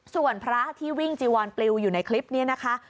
ส่วนพระที่วิ่งจีวอนปลิวอยู่ในคลิปนี้นะคะ